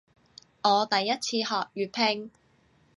我第一次學粵拼